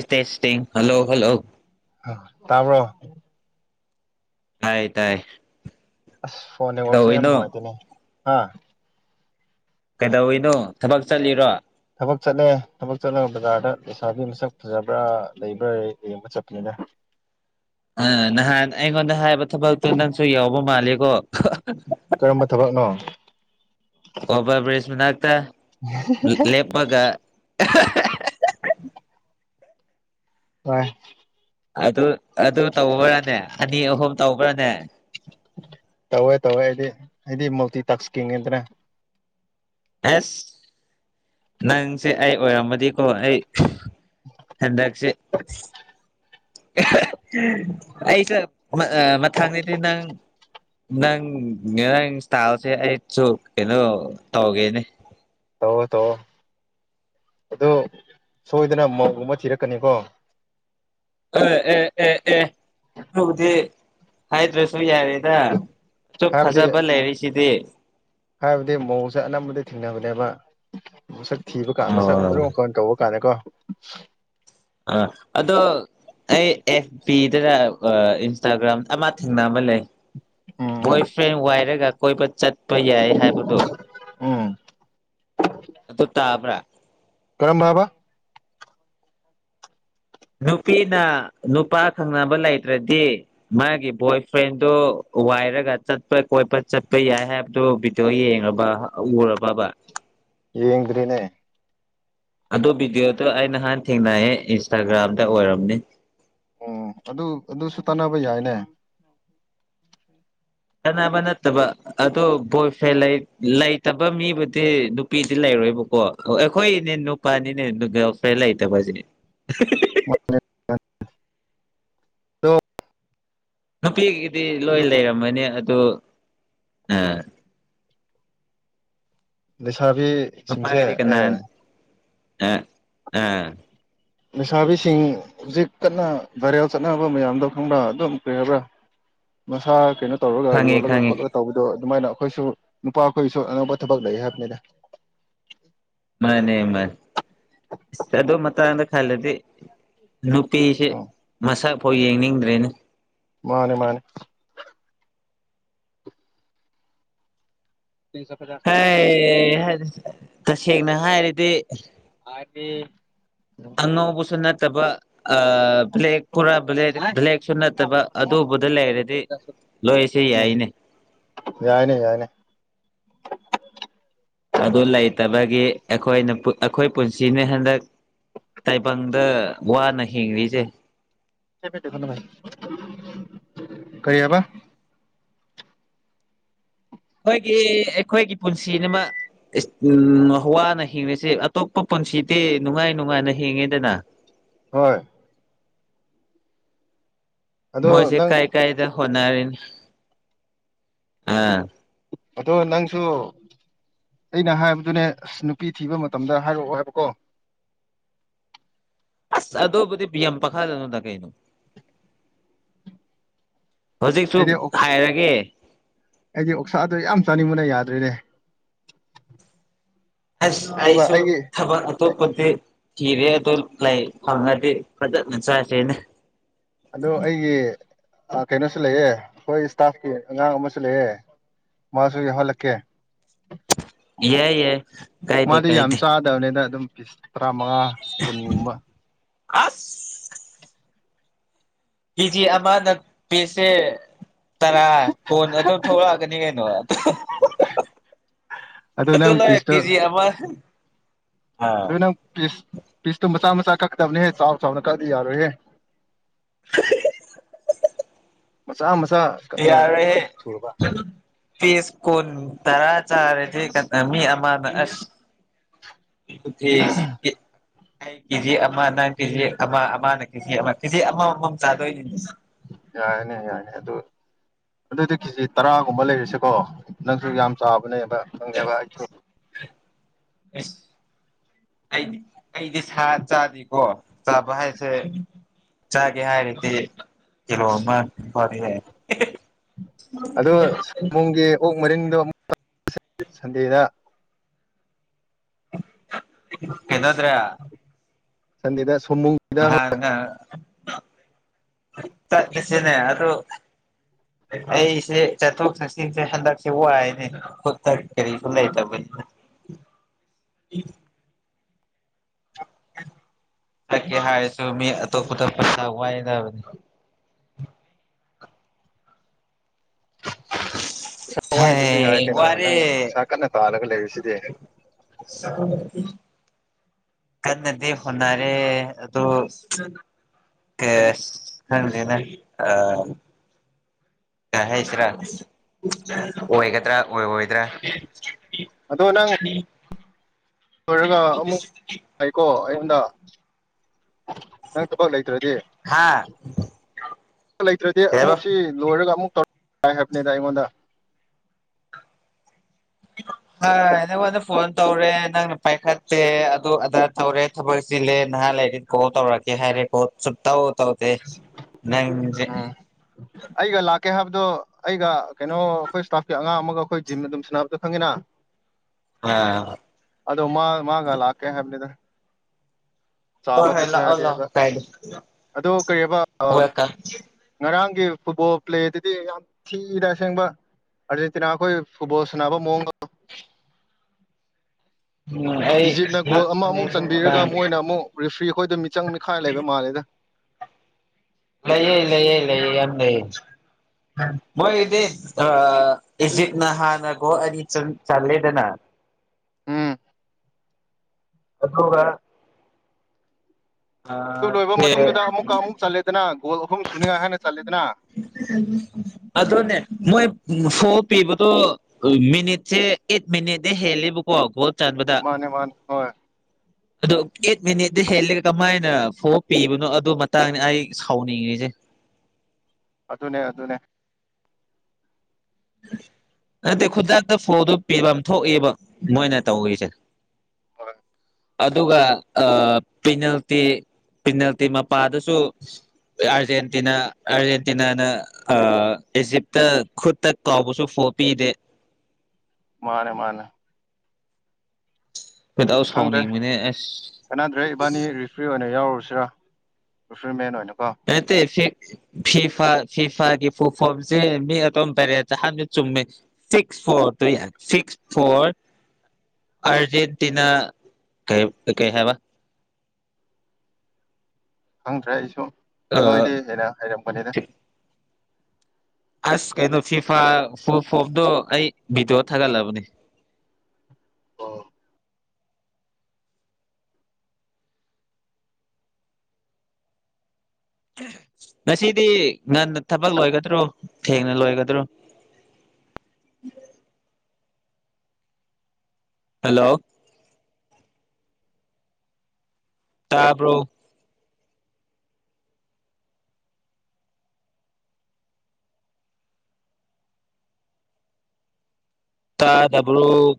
ꯁꯇꯦꯁꯇꯤꯡ hello hello. ꯑ ꯇꯥꯕ꯭ꯔꯣ꯫ ꯇꯥꯏ ꯇꯥꯏ꯫ ꯑꯁ ꯐꯣꯟ ꯅꯦꯠꯋ꯭ꯔꯛꯁꯦ ꯌꯥꯝ ꯀꯩꯗꯧꯔꯤꯅꯣ ꯅꯨꯡꯉꯥꯏꯇꯦꯅꯦ ꯍꯥ꯫ ꯀꯩꯗꯧꯅꯣ ꯊꯕꯛ ꯆꯠꯂꯤꯔꯣ ꯊꯕꯛ ꯆꯠꯂꯦ ꯊꯕꯛ ꯆꯠꯂꯒ ꯕꯖꯥꯔꯗ ꯂꯩꯩꯁꯥꯕꯤ ꯃꯁꯛ ꯐꯖꯕ꯭ꯔꯥ ꯂꯩꯕ꯭ꯔꯥ ꯌꯦꯡꯕ ꯆꯠꯄꯅꯤꯅꯦ ꯑ ꯅꯍꯥꯟ ꯑꯩꯉꯣꯟꯗ ꯍꯥꯏꯕ ꯊꯕꯛꯇꯨ ꯅꯪꯁꯨ ꯌꯥꯎꯕ ꯃꯥꯜꯂꯤꯀꯣ ꯀꯔꯝꯕ ꯊꯕꯛꯅꯣ ꯑꯣꯚꯔꯕ꯭ꯔꯤꯖ ꯃꯅꯥꯛꯇ ꯂꯦꯞꯄꯒ ꯎꯝ ꯍ ꯑꯗꯨ ꯑꯗꯨ ꯇꯧꯕ꯭ꯔꯥꯅꯦ ꯑꯅꯤ ꯑꯍꯨꯝ ꯇꯧꯕ꯭ꯔꯥꯅꯦ ꯇꯧꯋꯦ ꯇꯧꯋꯦ ꯑꯩꯗꯤ ꯑꯩꯗꯤ ꯃꯜꯇꯤ ꯇꯥꯛꯁꯀꯤꯗꯅ ꯑꯦꯁ ꯅꯪꯁꯦ ꯑꯩ ꯑꯣꯏꯔꯝꯃꯗꯤꯀꯣ ꯑꯩ꯫ ꯍꯟꯗꯛꯁꯦ꯫ ꯑꯩꯁꯦ ꯃꯊꯪꯗꯗꯤ ꯅꯪ꯫ ꯅꯪ ꯅꯪ ꯏꯁꯇꯥꯥꯏꯜꯁꯦ ꯑꯩꯁꯨ ꯀꯩꯅꯣ ꯇꯧꯒꯦꯅꯦ꯫ ꯇꯧꯑꯣ ꯇꯧꯑꯣ ꯑꯗꯨ ꯁꯣꯏꯗꯅ ꯃꯧꯒꯨꯝꯕ ꯊꯤꯔꯛꯀꯅꯤꯀꯣ꯫ ꯑꯦ ꯑꯦ ꯑꯦ ꯑꯦ ꯑꯗꯨꯕꯨꯗꯤ ꯍꯥꯏꯗ꯭ꯔꯁꯨ ꯌꯥꯔꯦꯗ꯫ ꯁꯨ ꯍꯥꯏꯕꯗꯤ ꯐꯖꯕ ꯂꯩꯔꯤꯁꯤꯗꯤ ꯍꯥꯏꯕꯗꯤ ꯃꯧꯁꯦ ꯑꯅꯝꯕꯅ ꯊꯦꯡꯅꯕꯅꯦꯕ꯫ ꯃꯁꯛ ꯊꯤꯕ ꯀꯥꯟ ꯃꯁꯛ ꯑꯣ ꯑꯗꯨꯝꯀꯟ ꯇꯧꯕ ꯀꯥꯟꯗꯀꯣ꯫ ꯑ ꯑꯗꯣ꯫ ꯑꯩ ꯑꯦꯐ ꯄꯕꯤꯗꯅ ꯏꯟꯁꯇꯥꯒ꯭ꯔꯥꯝ ꯑꯃ ꯊꯦꯡ ꯑꯃ ꯂꯩ ꯎꯝ ꯕꯣꯏ ꯐ꯭ꯔꯦꯟ ꯋꯥꯏꯔꯒ ꯀꯣꯏꯕ ꯆꯠꯄ ꯌꯥꯏ ꯍꯥꯏꯕꯗꯨꯣ ꯎꯝ ꯎꯝ ꯑꯗꯨ ꯇꯥꯕ꯭ꯔꯥ ꯀꯔꯝꯕ ꯍꯥꯢꯕ ꯅꯨꯄꯤꯅ ꯅꯨꯄꯥ ꯈꯪꯅꯕ ꯂꯩꯇ꯭ꯔꯗꯤ ꯃꯥꯒꯤ ꯕꯣꯏ ꯐ꯭ꯔꯦꯟꯗꯣ ꯋꯥꯏꯔꯒ ꯆꯠꯄ ꯀꯣꯠꯄ ꯆꯠꯄ ꯌꯥꯏ ꯍꯥꯏꯕꯗꯨ ꯇꯣ ꯌꯦꯡꯕ ꯎꯔꯕꯕ ꯌꯦꯡꯗ꯭ꯔꯤꯅꯦ ꯑꯗꯣ ꯚꯤꯗꯤꯑꯣꯗꯣ ꯑꯩ ꯅꯍꯥꯟ ꯊꯦꯡꯅꯩꯌꯦ ꯏꯟꯁꯇꯥꯒ꯭ꯔꯥꯝꯗ ꯑꯣꯏꯔꯝꯅꯤ ꯑꯣ ꯑꯗꯨ ꯑꯗꯨꯁꯨ ꯇꯥꯟꯅꯕ ꯌꯥꯏꯅꯦ ꯀꯅꯥꯕ ꯅꯠꯇꯕ ꯑꯗꯣ ꯕꯣꯏꯐꯦꯟ ꯂꯩꯇꯕ ꯃꯤꯕꯨꯗꯤ ꯅꯨꯄꯤꯗꯤ ꯂꯩꯔꯣꯏꯕꯀꯣ ꯑꯩꯈꯣꯏꯅꯦ ꯄꯥꯅꯤꯅꯦ ꯐꯦꯂ ꯑꯇ ꯖꯅꯦ ꯍꯜꯂꯣ ꯅꯨꯄꯤꯒꯤꯗꯤ ꯂꯣꯏ ꯂꯩꯔꯝꯃꯅꯤ ꯑꯗꯨ ꯂꯩꯁꯥꯕꯤ ꯑꯃ ꯍꯥꯏꯗꯤ ꯀꯅꯥ ꯑꯥ ꯑꯥ ꯂꯩꯁꯥꯕꯤꯁꯤꯡ ꯍꯧꯖꯤꯛ ꯀꯟꯅ ꯒꯥꯔꯦꯜ ꯆꯠꯅꯕ ꯃꯌꯥꯝꯗꯣ ꯈꯪꯕ꯭ꯔ ꯑꯗꯨꯝ ꯀꯔꯤ ꯍꯥꯢꯕ꯭ꯔꯥ ꯃꯁꯥ ꯀꯩꯅꯣ ꯇꯧꯔꯒ ꯈꯪꯉꯦ ꯌꯣꯜꯂꯒ ꯈꯪꯉꯦ ꯈꯣꯠꯂꯒ ꯇꯧꯕꯗꯣ ꯑꯗꯨꯃꯥꯏꯅ ꯑꯩꯈꯣꯏꯁꯨ ꯅꯨꯄꯥ ꯑꯩꯈꯣꯏꯁꯨ ꯑꯅꯧꯕ ꯊꯕꯛ ꯂꯩ ꯍꯥꯏꯕꯅꯤꯅ ꯃꯥꯅꯦ ꯃꯥꯅꯦ ꯃꯇꯪꯗ ꯈꯥꯜꯂꯗꯤ ꯅꯨꯄꯤꯁꯦ ꯎꯝ ꯃꯁꯛ ꯐꯥꯎ ꯌꯦꯡꯅꯤꯡꯗ꯭ꯔꯦꯅꯦ ꯃꯥꯅꯦ ꯃꯥꯅꯦ ꯇꯤꯟ ꯁ ꯍ ꯀꯥ [inaudible] ꯍꯩ ꯍꯩ ꯇꯁꯦꯡꯅ ꯍꯥꯏꯔꯗꯤ ꯍꯥꯢꯕꯗꯤ ꯑꯉꯧꯕꯁꯨ ꯅꯠꯇꯕ ꯑ ꯕ꯭ꯂꯦꯛ ꯄꯨꯔꯥ ꯕ꯭ꯂꯦꯛꯁꯨ ꯅꯠꯇꯕ ꯑꯗꯨꯕꯨꯗ ꯂꯩꯔꯗꯤ ꯂꯣꯏꯁꯤ ꯎꯝ ꯌꯥꯏꯅꯦ ꯌꯥꯏꯅꯦ ꯌꯥꯏꯅꯦ ꯑꯗꯨ ꯂꯩꯇꯕꯒꯤ ꯑꯩꯈꯣꯏꯅ ꯑꯩꯈꯣꯏ ꯄꯨꯟꯁꯤꯅ ꯍꯟꯗꯛ ꯇꯥꯏꯕꯪꯗ ꯋꯥꯅ ꯍꯤꯡꯂꯤꯁꯦ ꯀꯩ ꯍꯥꯢꯕ ꯑꯩꯈꯣꯏꯒꯤ ꯑꯩꯈꯣꯏꯒꯤ ꯄꯨꯟꯁꯤꯅꯃꯛ ꯎ ꯋꯥꯅ ꯍꯤꯡꯉꯤꯁꯦ ꯑꯇꯣꯞꯄ ꯄꯨꯟꯁꯤꯗꯤ ꯅꯨꯡꯉꯥꯏ ꯅꯨꯡꯉꯥꯏꯅ ꯍꯤꯡꯉꯦꯗꯅ ꯍꯣꯏ ꯑꯗꯣ ꯃꯣꯏꯁꯦ ꯅꯪ ꯀꯥꯏ ꯀꯥꯏꯗ ꯍꯣꯠꯅꯔꯤ ꯑꯗꯣ ꯅꯪꯁꯨ ꯑꯩꯅ ꯍꯥꯏꯕꯗꯨꯅꯦ ꯑꯁ ꯅꯨꯄꯤ ꯊꯤꯕ ꯃꯇꯝꯗ ꯍꯥꯏꯔꯛꯑꯣ ꯍꯥꯏꯕꯀꯣ ꯑꯁ ꯑꯗꯨꯕꯨꯗꯤ ꯀꯤꯌꯥꯝ ꯄꯥꯈꯥꯠꯅꯨꯗ ꯀꯩꯅꯣ ꯍꯧꯖꯤꯛꯁꯨ ꯑꯩꯗꯤ ꯍꯥꯏꯔꯒꯦ ꯑꯩꯗꯤ ꯑꯣꯛꯁꯥꯗꯣ ꯌꯥꯝ ꯆꯥꯅꯤꯡꯕꯅ ꯌꯥꯗ꯭ꯔꯦꯅꯦ ꯑꯁ ꯑꯗꯨꯒ ꯑꯩꯁꯨ ꯑꯩꯒꯤ ꯊꯕꯛ ꯑꯇꯣꯞꯄꯒꯤ ꯀꯦꯔꯤꯌꯥꯔ ꯗꯣ ꯂꯩꯥ ꯐꯉꯥꯗꯤ ꯐꯖꯅ ꯆꯥꯁꯤꯅꯦ ꯑꯗꯣ ꯑꯩꯒꯤ ꯀꯩꯅꯣꯁꯨ ꯂꯩꯑꯦ ꯑꯩꯈꯣꯏ ꯏꯁꯇꯥꯐꯀꯤ ꯑꯉꯥꯡ ꯑꯃꯁꯨ ꯂꯩꯌꯦ ꯃꯥꯁꯨ ꯌꯥꯎꯍꯜꯂꯛꯀꯦ ꯌꯥꯏ ꯌꯥꯏ ꯀꯥꯢꯗꯦ ꯀꯥꯏꯗꯦ ꯐꯠꯇꯕꯅꯤꯗ ꯑꯗꯨꯝ ꯄꯤꯁ ꯇꯔꯥꯃꯉꯥ ꯀꯨꯟꯒꯨꯝꯕ ꯑꯁ ꯀꯖꯤ ꯑꯃꯥꯗ ꯄꯤꯁ ꯁꯦ ꯇꯔꯥ ꯀꯣꯟ ꯑꯗꯨꯝ ꯊꯣꯛꯂꯛꯀꯅꯤ ꯀꯩꯅꯣ ꯑꯗꯨ ꯅꯪ ꯅꯣꯏ ꯄꯤꯁꯇꯣ ꯀꯦꯖꯤ ꯑꯃ ꯑꯥ ꯑꯗꯨ ꯅꯪ ꯄꯤꯁ ꯄꯤꯁꯇꯣ ꯃꯆꯥ ꯃꯆꯥ ꯀꯛꯛꯇꯕꯅꯦꯍꯦ ꯆꯥꯎ ꯆꯥꯎꯅ ꯀꯛꯗꯤ ꯌꯥꯔꯣꯏꯍꯦ [unintelligible] ꯃꯆꯥ ꯃꯆꯥ ꯀꯛꯅꯤꯡꯉꯥꯏ ꯌꯥꯔꯦꯍꯦ ꯁꯨꯔꯕ [unintelligible] ꯄꯤꯁ ꯀꯨꯟ ꯇꯔꯥ ꯆꯥꯔꯗꯤ ꯀꯅ ꯃꯤ ꯑꯃꯅ ꯑꯁ [unintelligible] ꯑꯩ ꯀꯦꯖꯤ ꯑꯃ ꯅꯪ ꯀꯦꯖꯤ ꯑꯃ ꯑꯃꯅ ꯀꯦꯖꯤ ꯑꯃ ꯀꯦꯖꯤ ꯑꯃꯝ ꯑꯃꯝ ꯆꯥꯗꯣꯏꯅꯤꯅꯦ ꯌꯥꯏꯅꯦ ꯌꯥꯏꯅꯦ ꯑꯗꯨ ꯑꯗꯨꯏꯗꯤ ꯀꯦꯖꯤ ꯇꯔꯥꯒꯨꯝꯕ ꯂꯩꯔꯤꯁꯦꯀꯣ ꯅꯪꯁꯨ ꯌꯥꯝ ꯆꯥꯕꯅꯦꯕ ꯈꯪꯉꯦꯕ ꯑꯩꯁꯨ ꯑꯁ ꯑꯩꯗꯤ ꯑꯩꯗꯤ ꯆꯥꯗꯦꯀꯣ ꯆꯥꯕ ꯍꯥꯏꯁꯦ ꯆꯥꯒꯦ ꯍꯥꯏꯔꯗꯤ ꯀꯤꯂꯣ ꯑꯃ ꯐꯥꯎꯗꯤ ꯑꯗꯣ ꯁꯥꯎꯑꯣꯝꯕꯨꯡꯒꯤ ꯑꯣꯛ ꯃꯔꯤꯡꯗꯣ ꯑꯃꯨ ꯁꯟꯗꯦꯗ ꯀꯅꯣꯗ꯭ꯔꯦ [inaudible] ꯁꯥꯟꯗꯦꯗꯗ ꯁꯥꯎꯑꯣꯝꯕꯨꯡ ꯅꯍꯥꯟꯅ ꯆꯠꯂꯁꯤꯅꯦ ꯑꯩꯁꯦ ꯆꯠꯊꯣꯛ ꯆꯠꯁꯤꯟꯁꯦ ꯍꯟꯗꯛꯁꯦ ꯋꯥꯏꯅꯦ [unintelligible] ꯀꯔꯤꯁꯨ ꯂꯩꯇꯕꯩ ꯆꯠꯀꯦ ꯍꯥꯏꯔꯁꯨ ꯃꯤ ꯑꯇꯣꯞꯄꯗ ꯄꯩꯁꯥ ꯋꯥꯏꯗꯕꯅꯤ ꯄꯩꯁꯥ ꯋꯥꯏꯗ꯭ꯔꯁꯨ ꯌꯥꯏ ꯍꯩ ꯀꯩꯅꯣ ꯅꯪ ꯋꯥꯔꯦ ꯏꯁꯩꯥ ꯀꯟꯅ ꯇꯥꯜꯂꯒ ꯂꯩꯔꯤꯁꯤꯗꯤ [unintelligible] ꯀꯟꯅꯗꯤ ꯍꫭꯅꯔꯦ ꯑꯗꯨ ꯀꯁ ꯈꯪꯗꯦꯗ ꯑ ꯌꯥꯏ ꯍꯥꯏꯁꯤꯔ ꯑꯣꯏꯒꯗ꯭ꯔ ꯑꯣꯏꯔꯣꯏꯗ꯭ꯔ ꯑꯗꯣ ꯅꯪ [inaudible] ꯂꯣꯏꯔꯒ ꯑꯃꯨꯛ ꯍꯥꯏꯀꯣ ꯑꯩꯉꯣꯟꯗ ꯅꯪ ꯊꯕꯛ ꯂꯩꯇ꯭ꯔꯗꯤ ꯍꯥ ꯗ ꯂꯩꯇ꯭ꯔꯗꯤ ꯀꯩ ꯍꯥꯏꯕ ꯑꯃꯨꯛꯁꯤ ꯂꯣꯏꯔꯒ ꯑꯃꯨꯛ ꯇꯧꯔꯛ ꯌꯥꯏ ꯍꯥꯏꯕꯅꯤꯗ ꯑꯩꯉꯣꯟꯗ [inaudible] ꯅꯪꯉꯣꯟꯗ ꯐꯣꯟ ꯇꯧꯔꯦ ꯅꯪꯅ ꯄꯥꯏꯈꯠꯇꯦ ꯑꯗꯨ ꯑꯗꯥ ꯇꯧꯔꯦ ꯊꯕꯛ ꯆꯤꯜꯂꯦ ꯅꯍꯥ ꯂꯩꯔꯤ ꯀꯣꯜ ꯇꯧꯔꯛꯀꯦ ꯍꯥꯏꯔꯦ ꯀꯣꯜ ꯁꯨꯇꯧ ꯇꯩꯗꯦ ꯅꯪꯁꯦ ꯎꯝ ꯑꯩꯒ ꯂꯥꯛꯀꯦ ꯍꯥꯏꯕꯗꯣ ꯑꯩꯒ ꯀꯩꯅꯣ ꯑꯩꯈꯣꯏ ꯏꯁꯇꯥꯐꯀꯤ ꯑꯉꯥꯡ ꯑꯃꯒ ꯑꯩꯈꯣꯏ ꯖꯤꯝ ꯑꯗꯨꯝ ꯁꯥꯟꯅꯕꯗꯣ ꯈꯪꯉꯤꯅ ꯑꯥ ꯑꯗꯣ ꯃꯥ ꯃꯥꯒꯂꯥꯛꯀꯦ ꯍꯥꯏꯕꯅꯦꯗ ꯍꯣꯏ ꯆꯥꯕ ꯍꯣꯏ ꯆꯠꯁ ꯂꯥꯛꯑꯣ ꯂꯥꯛꯑꯣ ꯍꯥꯏꯔꯗꯤꯕ ꯀꯥꯏꯗꯦ ꯑꯗꯣ ꯀꯔꯤ ꯍꯥꯏꯕ ꯑ ꯋꯦꯜꯀꯝ ꯉꯔꯥꯡꯒꯤ ꯐꯨꯠꯕꯣꯜ ꯄ꯭ꯂꯦꯗꯨꯗꯤ ꯌꯥꯝ ꯊꯤꯗ ꯑꯁꯦꯡꯕ ꯑꯔꯖꯦꯟꯇꯤꯅꯥꯈꯣꯏ ꯐꯨꯠꯕꯣꯜ ꯁꯅꯥꯕ ꯃꯥꯑꫭꯡꯗꫭ ꯎꯝ ꯑꯩ ꯏꯖꯤꯞꯅ ꯒꯣꯜ ꯑꯃ ꯉꯛꯄꯅꯦ ꯑꯃꯨꯛ ꯑꯗꯨ ꯆꯟꯕꯤꯔꯒ ꯃꯇꯥꯡꯗ ꯃꯣꯏꯅ ꯑꯃꯨꯛ ꯔꯤꯐ꯭ꯔꯤ ꯈꯣꯏꯗꫭ ꯃꯤꯆꯪ ꯃꯤꯈꯥꯏ ꯂꯩꯕ ꯃꯥꯜꯂꯦꯗ ꯂꯩꯌꯦ ꯂꯩꯌꯦ ꯂꯩꯌꯦ ꯌꯥꯝ ꯂꯩ ꯃꯣꯏꯒꯤꯗꯤ ꯑ ꯏꯖꯤꯠꯅ ꯍꯥꯟꯅ ꯒꯣ ꯑꯅꯤ ꯆꯜꯂꯦꯗꯅ ꯎꯝ ꯑꯗꯒ ꯑꯗꯨ ꯑꯥ ꯂꯣꯏꯔꯕ ꯁꯦ ꯃꯇꯨꯡꯗꯨꯗ ꯑꯃꯨꯛꯀ ꯑꯃꯨꯛ ꯆꯜꯂꯦꯗꯅ ꯒꯣꯜ ꯑꯍꯨꯝ ꯁꯨꯅꯤꯉꯥꯏ ꯍꯥꯏꯅ ꯆꯜꯂꯦꯗꯅ ꯑꯗꯨꯅꯦ ꯃꯣꯏ ꯁꯣ ꯄꯤꯕꯗꯣ ꯃꯤꯅꯤꯠꯁꯦ ꯑꯦꯠ ꯃꯤꯅꯤꯠꯗ ꯍꯦꯜꯂꯦꯕꯀꯣ ꯒꯣꯜ ꯆꯥꯟꯕꯗ ꯃꯥꯅꯦ ꯃꯥꯅꯦ ꯍꯣꯏ [inaudible] ꯑꯗꯣ ꯑꯦꯠ ꯃꯤꯅꯤꯠꯇ ꯍꯦꯂꯦ ꯀꯃꯥꯏꯅ ꯐꫭꯜ ꯄꯤꯕꯅꯣ ꯑꯗꯨ ꯃꯇꯥꯡꯗ ꯑꯩ ꯁꯥꯎꯅꯤꯡꯉꯁꯦ ꯑꯗꯨꯅꯦ ꯑꯗꯨꯅꯦ ꯅꯠꯇꯦ ꯈꯨꯗꯛꯇ ꯐꯣꯗꯨ ꯄꯤꯕꯝ ꯊꯣꯛꯑꯦꯕ ꯃꯣꯏꯅ ꯇꯧꯔꯤꯁꯦ ꯍꯣꯏ ꯑꯗꯨꯒ ꯄꯤꯅꯦꯜꯇꯤ ꯄꯤꯅꯦꯜꯇꯤ ꯃꯄꯥꯗꯁꯨ ꯑꯥꯔꯖꯦꯟꯇꯤꯅꯥ ꯑꯔꯖꯦꯟꯇꯤꯅꯥꯅ ꯏꯖꯤꯞꯇ ꯈꯨꯠꯇ ꯀꯥꯎꯕꯁꯨ ꯐꯣ ꯄꯤꯗꯦ ꯃꯥꯅꯦ ꯃꯥꯅꯦ ꯈꯨꯗꯥꯎ ꯈꯪꯗ꯭ꯔꯦ ꯁꯥꯎꯅꯤꯡꯕꯅꯦ ꯑꯁ ꯀꯅꯗ꯭ꯔꯦ ꯏꯕꯥꯅꯤ ꯐ꯭ꯔꯤ ꯑꯣꯏꯅ ꯌꯥꯎꯔꯨꯁꯤꯔꯥ ꯔꯤꯐ꯭ꯔꯔꯤꯃꯦꯟ ꯑꯣꯏꯅꯀꯣ ꯑꯠꯇ ꯐ ꯐꯤꯐꯥ ꯐꯤꯐꯥꯒꯤ ꯄꯨ ꯐꯣꯝꯁꯦ ꯃꯤ ꯑꯇꯣꯝ ꯇꯔꯦ ꯍꯥꯟꯗꯤ ꯆꯨꯝꯃꯦ ꯁꯤꯛꯁ ꯐꯣꯔ ꯇ ꯌꯥ ꯁꯤꯛꯁ ꯐꯣꯔ ꯑꯥꯔꯖꯦꯟꯇꯤꯅꯥ ꯀ ꯀꯩ ꯍꯥꯏꯕ ꯈꯪꯗ꯭ꯔꯦ ꯑꯩꯁꯨ ꯑ ꯅꯣꯏꯗꯤ ꯍꯦꯟꯅ ꯍꯔꯝꯕꯅꯤꯗ ꯑꯁ ꯀꯩꯅꯣ ꯐꯤꯐꯥ ꯐꯨꯜ ꯐꯣꯝꯗꫭ ꯑꯩ ꯚꯤꯗꯤꯌꫭ ꯊꯥꯒꯠꯂꯕꯅꯦ ꯍ ꯉꯁꯤꯗꯤ ꯉꯟꯅ ꯊꯕꯛ ꯂꯣꯏꯒꯗ꯭ꯔꯣ ꯊꯦꯡꯅ ꯂꯣꯏꯒꯗ꯭ꯔꯣ ꯍꯜꯂꯣ ꯇꯥꯕ꯭ꯔꫭ ꯇꯥꯗꯕ꯭ꯔꫭ